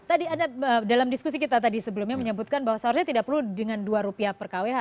tadi anda dalam diskusi kita tadi sebelumnya menyebutkan bahwa seharusnya tidak perlu dengan dua rupiah per kwh